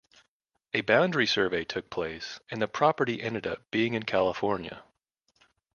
A boundary survey took place, and the property ended up being in California.